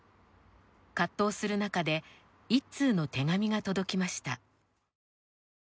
葛藤するなかで一通の手紙が届きました。